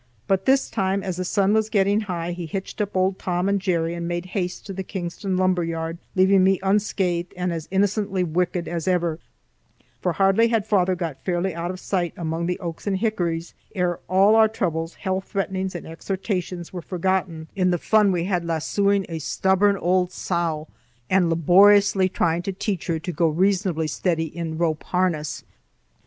But this time, as the sun was getting high, he hitched up old Tom and Jerry and made haste to the Kingston lumber yard, leaving me unscathed and as innocently wicked as ever; for hardly had father got fairly out of sight among the oaks and hickories, ere all our troubles, hell threatenings, and exhortations were forgotten in the fun we had lassoing a stubborn old sow and laboriously trying to teach her to go reasonably steady in rope harness.